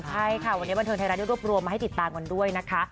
ใช่ค่ะวันนี้บันเทิงไทยรัฐได้รวบรวมมาให้ติดตามกันด้วยนะคะ